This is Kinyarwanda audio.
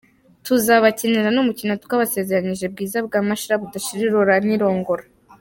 Tuzabakinira n’umukino twabasezeranije « Bwiza bwa Mashira budashira irora n’irongora ».